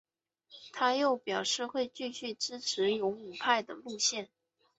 他又表示会继续支持勇武派的路线。